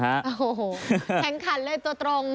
โอ้โหแข่งขันเลยตัวตรง